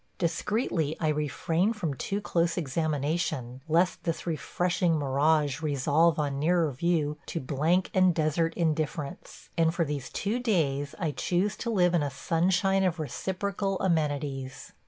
Discreetly I refrain from too close examination, lest this refreshing mirage resolve on nearer view to blank and desert indifference, and for these two days I choose to live in a sunshine of reciprocal amenities.